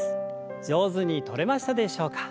上手にとれましたでしょうか。